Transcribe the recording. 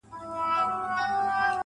خدايه ژر ځوانيمرگ کړې چي له غمه خلاص سو.